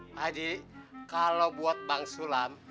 pak haji kalau buat bang sulam